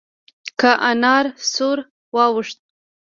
لکه انار سور واوښت.